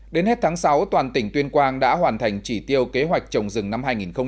đến hết tháng sáu toàn tỉnh tuyên quang đã hoàn thành chỉ tiêu kế hoạch trồng rừng năm hai nghìn hai mươi